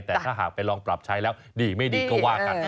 แต่ถ้าหากไปลองปรับใช้แล้วดีไม่ดีก็ว่ากัน